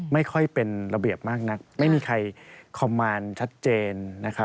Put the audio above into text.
ไม่ค่อยเป็นระเบียบมากนักไม่มีใครคอมมารชัดเจน